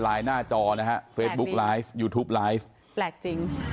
หน้าจอนะฮะเฟซบุ๊กไลฟ์ยูทูปไลฟ์แปลกจริง